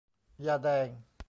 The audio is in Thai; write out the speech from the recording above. ยาแดง